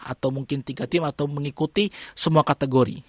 atau mungkin tiga tim atau mengikuti semua kategori